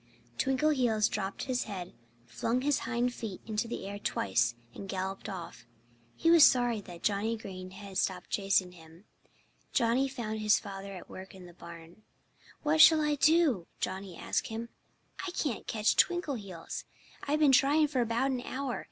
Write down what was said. Twinkleheels dropped his head, flung his hind feet into the air twice, and galloped off. He was sorry that Johnnie Green had stopped chasing him. Johnnie found his father at work in the barn. "What shall I do?" Johnnie asked him. "I can't catch Twinkleheels. I've been trying for about an hour.